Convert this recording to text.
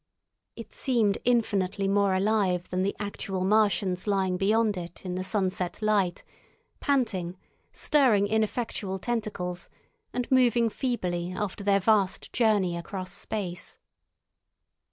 It seemed infinitely more alive than the actual Martians lying beyond it in the sunset light, panting, stirring ineffectual tentacles, and moving feebly after their vast journey across space.